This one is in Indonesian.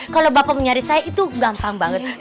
kalau bapak menyari saya itu gampang banget